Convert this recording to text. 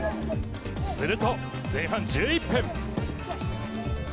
すると前半１１分。